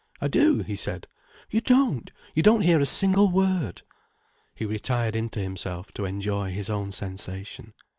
"I do," he said. "You don't—you don't hear a single word." He retired into himself, to enjoy his own sensation.